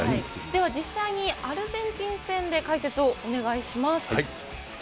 では実際にアルゼンチン戦で解説をお願いします。